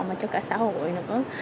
mà cho cả xã hội nữa